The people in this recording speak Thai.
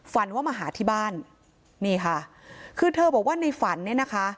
ฝันว่ามาหาที่บ้านนี่ค่ะคือเธอบอกว่าในฝันเนี่ยนะคะ